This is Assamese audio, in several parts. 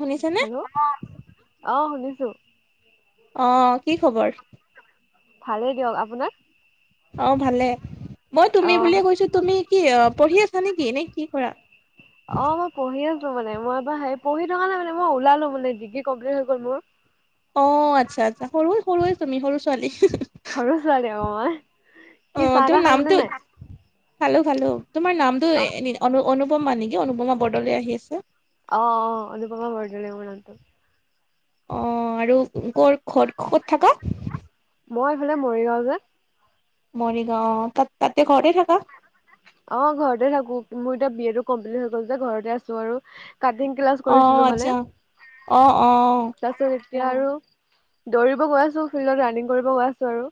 শুনিছানে হেল্ল' অ শুনিছোঁ অ কি খবৰ? ভালেই দিয়ক, আপোনাৰ? অ ভালে মই অ তুমি বুলিয়ে কৈছো তুমি কি পঢ়ি আছা নেকি নে কি কৰা অ মই পঢ়ি আছোঁ মানে মই এবা হেৰি পঢ়ি থকা নাই মানে মই ওলালো মানে ডিগ্ৰী কম্পিট হৈ গ'ল মোৰ অ আচ্ছা আচ্ছা সৰু সৰুৱে তুমি সৰু ছোৱালী সৰু ছোৱালী অ মই অ কি চাহ তোমাৰ তাহ খালা নামটো নে নাই খালো খালো তোমাৰ নামটো অ এনে অনু অনুপমা নেকি অনুপমা বৰদলৈ আহি আছে অ অ অনুপমা বৰদলৈ মোৰ নামটো অ আৰু ক'ত ঘৰ ক'ত থকা মই এইফালে মৰিগাঁও যে মৰিগাঁও তাত তাতে ঘৰতে থাকা অ ঘৰতে থাকো মোৰ এতিয়া বি এতো কমপ্লিট হৈ গল যে ঘৰতে আছো আৰু কাটিং ক্লাছ অ কৰিছিলোঁ মানে আচ্ছা অ অ তাৰছত এতিয়া আৰু দৌৰিব গৈ আছো ফিল্ডত ৰানিং কৰিব গৈ আছো আৰু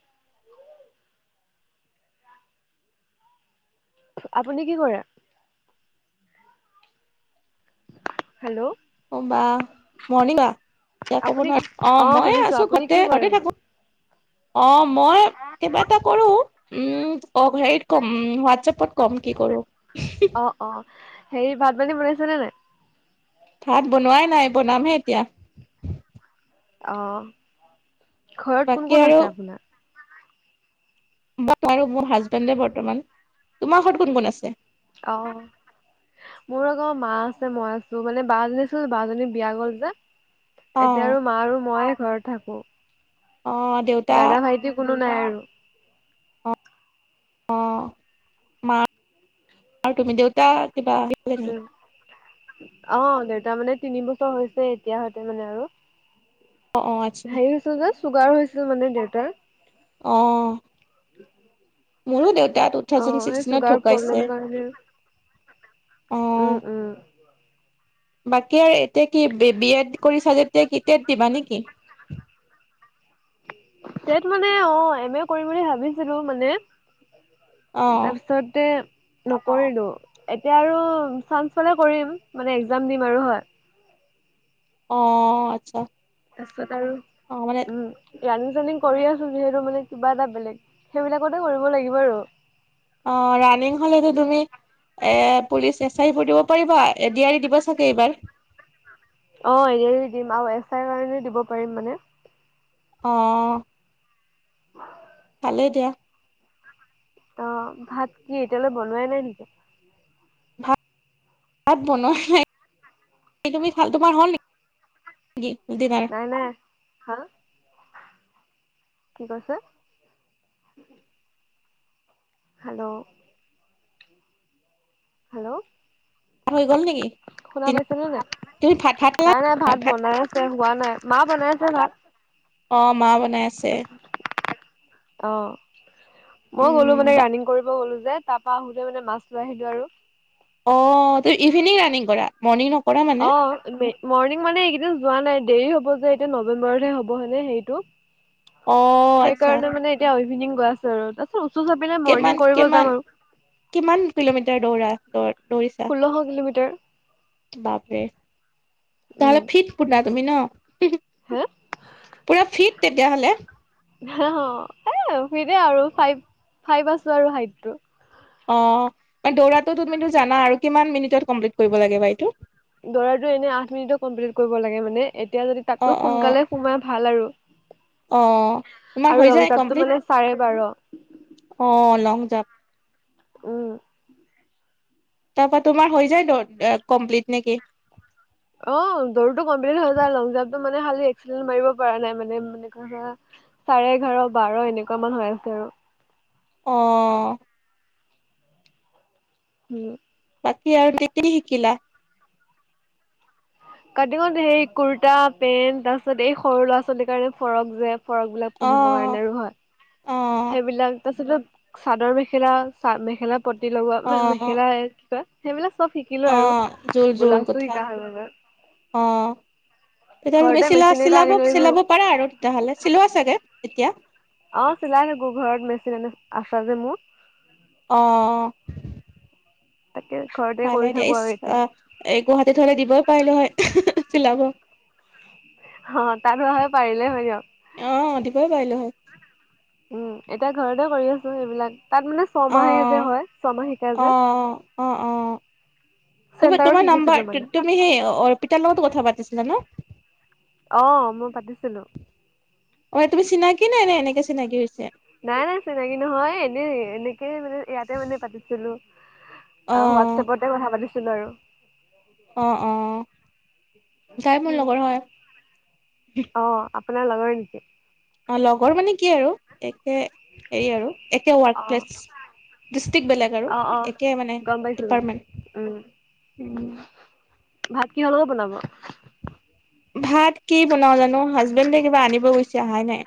আপুনি কি কৰে হেল্ল' অ বা মৰ্ণিং বা এতিয়া ক'ব আপুনি নোৱাৰো অ মইয়ে শুনিছো আছো আপুনি কি ঘৰতে কৰে ঘৰতে বোলো? থাকো অ মই কিবা এটা কৰো উম সেইত কম উ হোৱাটছএপত কম কি কৰো অ অ হেৰি ভাতপানী বনাইছেনে নাই ভাত বনোৱাই নাই বনামহে এতিয়া অ ঘৰত কোন বাকী কোন আৰু আছে আপোনাৰ মোৰ হাজবেণ্ডে বৰ্তমান। তোমাৰ ঘৰত কোন কোন আছে? অহ মোৰআক মা আছে মই আছো মানে বা জনী আছিলে যে বা জনী বিয়া গ'ল যে অ এতিয়া আৰু মা আৰু মই ঘৰত থাকো অহ দেউতা দাদা ভাইটি কোনো নাই আৰু অ মা তুমি দেউতা কিবা আহিলে নি উম অ দেউতা মানে তিনি বছৰ হৈছে এতিয়া হতে মানে আৰু অ অ আচ্ছা হেৰি হৈছিল যে চুগাৰ হৈছিল মানে দেউতাৰ অ মোৰো দেউ তা টু অ থাউজেণ্ড সেই ছিক্সটিনত চুগাৰ প্ৰব্লেম ঢুকাইছে। কাৰণে অ উম উম বাকী আৰু এতিয়া কি বি এড কৰি চা যেতিয়া কি টেট দিবা নেকি টেট মানে অ এম এ কৰিম বুলি ভাবিছিলো মানে অ তাৰপিছতে নকৰিলোঁ, এতিয়া আৰু চাঞ্চ পালে কৰিম, মানে একজাম দিম আৰু হয় অ আচ্ছা। তাৰ পাছত আৰু, অ মানে উম ৰানিং চানিং কৰি আছো যিহেতু মানে কিবা এটা বেলেগ সেইবিলাকতে কৰিব লাগিব আৰু অ ৰানিং হলেতো তুমি এ পুলিচ এছ আই বোৰ দিব পাৰিবা এডি আৰি দিব চাগে এইবাৰ অ এ ডি আৰ ই দিম আৰু এছ আই কাৰণেও দিব পাৰিম মানে। অহ অ ভালে দিয়া অ ভাত কি এতিয়ালৈ বনোৱাই নাই নেকি? ভাত ভাত বনোৱা নাই তুমি ভাল তোমাৰ হল নেকি? ডিনাৰ নাই নাই হা কি কৈছে হেল্ল হেল্ল' হৈ গ'ল নেকি শুনা ডিনাৰ? পাইছে নে তুমি ভাত ভাত খালা নাই নাই ভাত বনাই আছে হোৱা নাই মা বনাই আছে ভাত। অ মা বনাই আছে। অ মই গ'লো উম মানে ৰাণিং কৰিব গ'লো। যে তাৰ পৰা আহোতে মানে মাছ লৈ আহিলো আৰু অ তু ইভিনিং ৰাণিং কৰা মৰ্ণিং নকৰ অ মৰ্ণিং মানে এইকেইদিন যোৱা নাই দেৰি হ'ব যে এতিয়া নৱেম্বৰতহে হ'ব হয়নে হেৰিটো অ আচ্ছা সেইকাৰণে মানে এতিয়া ইভিনিং গৈ আছো আৰু তাৰপিছত চাবে কিমান মৰ্ণিং কৰিব কিমান যাম আৰু কিমান কিলোমিটাৰ দৌৰা দৌ দৌৰিছা ষোল্লশ কিলোমিটাৰ বাপৰে উম তহলে ফিট পুতনা তুমি ন [unintelligible] হে পুৰা ফিট তেতিয়াহলে অ অ সেই আৰু ফাইভ ফাইভ আছো আৰু হাইটটো অ দৌৰাটো তুমিটো জানা আৰু, কিমান মিনিটত কমপ্লিট কৰিব লাগে এইটো? দৌৰাতো এনে আঠ মিনিটত কমপ্লিট কৰিব লাগে, মানে এতিয়া যদি অ তাকো অ সোনকালে সোমাই ভাল আৰু অ তোমাৰ আৰু হৈ যায় লঙজাবটো কমপ্লিট মানে চাৰে বাৰ অ লং জাম্প ওম তাৰপা তোমাৰ হৈ যায় ন কমপ্লিট নেকি? অ দৌৰটো কমপ্লিট হৈ যায় লং জাম্পটো মানে খালি এক্সিডেণ্ট মাৰিব পৰা নাই মানে এনেকুৱা চাৰে এঘাৰ বাৰ এনেকুৱা মান হৈ আছে আৰু। [unintelligible] অ উম বাকি আৰু কি কি শিকিলা? কাটিঙত সেই কুুৰ্তা পেন্ট তাৰ পিছত এই সৰু ল'ৰা ছোৱালীৰ কাৰণে ফৰক যে ফৰক বিলাক অ পিন্ধিবৰ কাৰণে আৰু হয় অ সেইবিলাক তাৰপিছতে চাদৰ মেখেলা চা মেখেলা পতি লগোৱা অ মানে মেখেলা কি কয় সেইবিলাক চব শিকিলো অ আৰু জুল জুল ব্লাউজটো গথা শিকা হ'ল মানে অ তেতিয়াহ'লে তুমি ঘৰতে চিলা মেচিন এটা চিলাব আনি লৈছো চিলাব পাৰা আৰু তেতিয়াহ'লে চিলোৱা চাগে এতিয়া অ চিলাই থাকো ঘৰত মেচিন এনিছ আছে যে মোৰ অহ তাকে ঘৰতে কৰি ভালে দিয়া থাকো ইচ আৰু এতিয়া আহ গুৱাহাটীত হলে দিবই পাৰিলো হয় চিলাব অ তাত হোৱা হলে পাৰিলে হয় দিয়ক অ দিবই পাৰিলো হয় উম এতিয়া ঘৰতে কৰি আছো এইবিলাক তাত মানে ছয়মাহে অ যে হয় ছমা শিকাই অ যে অ অ তুমি চেণ্টাৰত তোমাৰ শিকিছিলো নাম্বাৰ মানে তুমি সেই অৰ্পিতাৰ লগতো কথা পাতিছিলা ন অ মই পাতিছিলো অ তুমি চিনাকি নাই নে এনেকে চিনাকি হৈছা নাই নাই চিনাকি নহয় এনেই এনেকে মানে ইয়াতে মানে পাতিছিলো অ হোৱাটছএপ তে কথা পাতিছিলো আৰু অ অ তাই মোৰ উ লগৰ হয় অ আপোনাৰ লগৰ নেকি? অ লগৰ মানে কি আৰু একে হেৰি আৰু একে ৱৰ্ক অ প্লেছ ডিষ্ট্ৰিকট বেলেগ আৰু অ অ একে মানে গম পাইছো গম উম ডিপাৰ্টমেণ্ট উম ভাত কিহ লগত বনাব? ভাত চাহাই নাই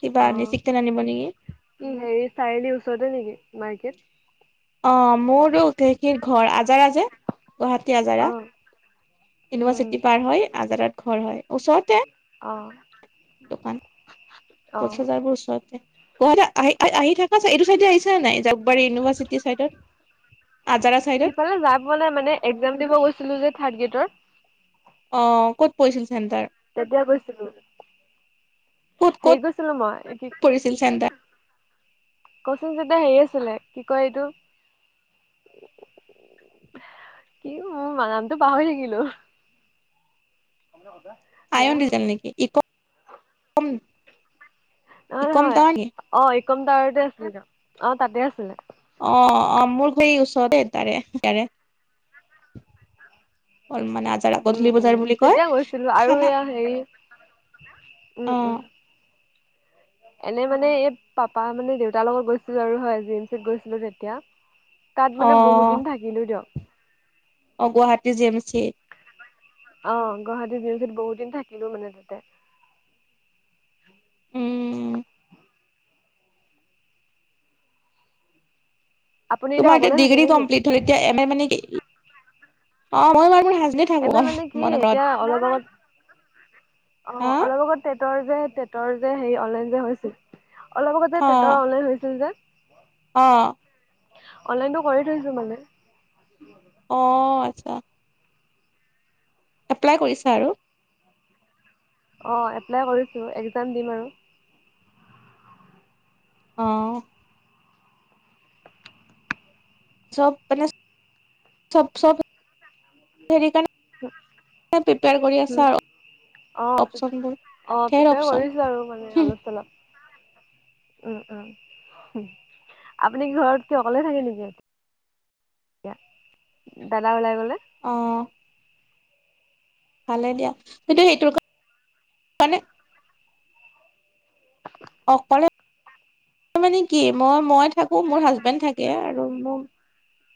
কিবা অ চিকেন আনিব নেকি কি হেৰি চাৰিআলিৰ ওচৰতে নেকি মাৰ্কেট অ মোৰো কেখীৰ ঘৰ আজাৰাজে গুৱাহাটী অ আজাৰত উম ইউনিভাৰ্চিটি পাৰ হয় আজাৰত ঘৰ হয় ওচৰতে অ দোকান পচ অ হাজাৰ বোৰ ওচৰতে গুৱাহাটী আহি আহ আহি থাকা এইটো চাইডে আহিছা নাই জালুকবাৰী ইউনিভাৰ্চিটিৰ চাইডত আজাৰা চাইডত? সিফালে যাবলে মানে একজাম দিব গৈছিলো যে থাৰ্ড গ্ৰেডৰ অ ক'ত পৰিছিল? চেণ্টাৰ তেতিয়া গৈছিলো। ক'ত ক'ত হেৰিত গৈছিলো মই এই কি পৰিছিল চেণ্টাৰ কচিং যেতিয়া হেৰি আছিলে কি কয় এইটো কি মোৰ বানানটো পাহৰি থাকিলো [unintelligible] আইন দিজাইন নেকি ইক উম? নহয় নহয় অ একম টাৱাৰতে আছিলে ত অ তাতে আছিলে অ অ মোৰ সেই ওচৰতে তাৰে তাৰে অ মানে আজাৰ উম গধূলি উম বজাৰ বুলি কয় তেতিয়া গৈছিলো আৰু থানা এয়া হেৰি উম অ উম এনে মানে এই পাপা মানে দেউতাৰ লগত গৈছিলো আৰু হয় জিএমচিত গৈছিলো তেতিয়া তাত অ মানে বহুত দিন থাকিলো দিয়ক অ গুৱাহাটী জিএমচিত অ গুৱাহাটী জিএমচিত বহুত দিন থাকিলো মানে তাতে। উম আপুনি তোমাৰ এতিয়া অকলে থাকে ডিগ্ৰী নেকি? কমপ্লিট হ'ল এতিয়া এম এ মানে কি অ মই হাজবেণ্ডে থাকো এম এ মানে কি মনে ঘৰত এতিয়া অলপ আগত অ হা অলপ আগত টেটৰ যে টেটৰ যে হেৰি অনলাইন যে হৈছিল অলপ আগত যে টেটৰ অনলাইন হৈছিল যে অহ' অনলাইটো কৰি থৈছো মানে অ আচ্ছা এপ্লাই কৰিচা আৰু অ এপ্লাই কৰিছো একজাম দিম আৰু অহ চব মানে চব চব হেৰি কাৰনে প্ৰিপেৰ কৰি উম আছা আৰু অ অপচনবোৰ ধেৰ পিপিআৰ অপচন কৰিছো আৰু মানে অলপ চলপ উম উম আপুনি ঘৰত কি অকলে থাকে নেকি? য়া দাদা উলাই গ'লে অহ ভালে দিয়া কিন্তু সেইটো মানে অকলে মানে কি মই মই থাকো মোৰ হাজবেণ্ড থাকে আৰু মোৰ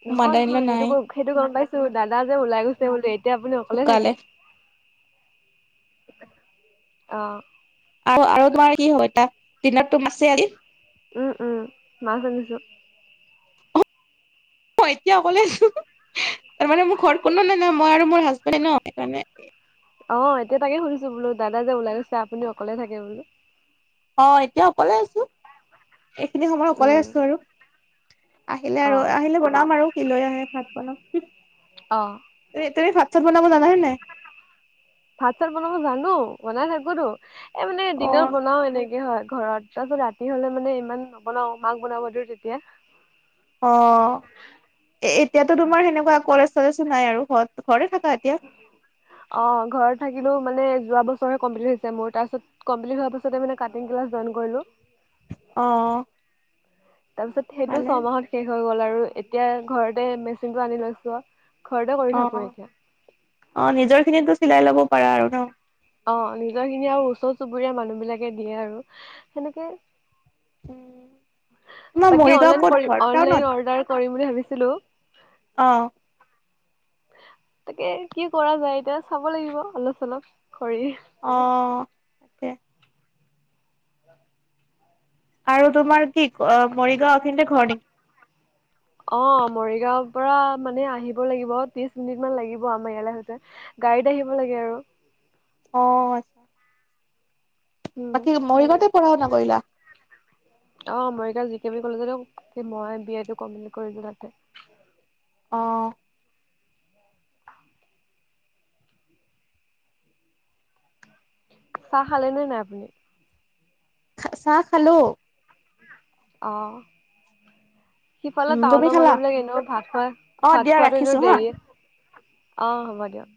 নহয় মাদাৰ ইন নহয় ল সেইটো নাই সেইটো গম পাইছো দাদা যে ওলাই গৈছে বোলো এতিয়া আপুনি অকলে ঢুকালে থাকে? অহ আৰু আৰু তোমাৰ কি হয় তা ডিনাৰতো মাছে আজি? উম উম মাছ ভাজিজো অ এতিয়া অকলেন তাৰ মানে মোৰ ঘৰত কোনো নাই নাই মই আৰু মোৰ হাজবেণ্ডৰ ন সেইকাৰণে অ এতিয়া তাকে সুধিছো বোলো দাদা যে ওলাই গৈছে আপুনি অকলে থাকে বোলো? অ এতিয়া অকলে আছো এইখিনি সময়ত অকলে উম আছো আৰু আহিলে অ আৰু আহিলে বনাম আৰু কি লৈ আহে ভাত বনাম অ এই তুমি ভাত চাত বনাব জানা হে নাই? ভাত চাত বনাব জানো বনাই থাকোতো এ মানে দিনত অ', বনাও এনেকে হয় ঘৰত তাৰপাছ ৰাতি হলে মানে ইমান নবনাও মাক বনাব দিওঁ তেতিয়া অ এ এতিয়াতো তোমাৰ সেনেকুৱা কলেজ চলেজো নাই আৰু ঘত অ ঘৰত থাকিলেও মানে যোৱা বছৰে কমপ্লিট হৈছে মোৰ তাৰপাছত কমপ্লিট হোৱাৰ পাছতে কাটিং ক্লাছ জয়ন কৰিলো অহ তাৰ পিছত সেইটো ছমাহত শেষ হৈ গ'ল আৰু এতিয়া ঘৰতে মেচিনটো আনি লৈছো আও অ অ নিজৰ খিনিতো চিলাই ল'ব পাৰা আৰু ন? অ নিজৰ খিনি আৰু ওচৰ চুবুৰীয়া মানুহ বিলাকে দিয়ে আৰু সেনেকে উম তোমাৰ বাকী মৰিগাঁও ক'ত ঘৰ অনলাইন অৰ্ডাৰ কৰিম বুলি ভাবিছিলো। অহ তাকে কি কৰা যায় এতিয়া চাব লাগিব অলপ চলপ। কৰি। অ তাকে আৰু তোমাৰ কি অ মৰিগাওঁ খিনতে ঘৰ নেকি? অ মৰিগাঁওৰ পৰা মানে আহিব লাগিব ত্ৰিশ মিনিট মান লাগিব আমাৰ ইয়ালে আহোতে। গাডীত আহিব লাগে আৰু অ আত উম, বাকী মৰিগাঁৱতে পঢ়া শুনা কৰিলা? অ মৰিগাওঁ জি কে বি কলেজতো মই বি এটো কমপ্লিট কৰিলো তাতে। অ চাহ খালে নে নাই আপুনি? চাহ খালো। অ সিফালে উম, তুমি টাউনৰ খালা? মানুহ বিলাক এনেও ভাত খোৱা অ', ভাত দিয়া খোৱাটো ৰাখিছো এনেও হা। দেৰিয়ে। অ হ'ব দিয়ক।